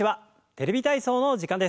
「テレビ体操」の時間です。